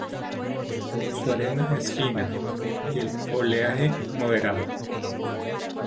Su arena es fina y el oleaje moderado.